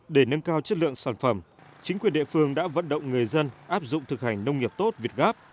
để nâng cao chất lượng sản phẩm chính quyền địa phương đã vận động người dân áp dụng thực hành nông nghiệp tốt việt gáp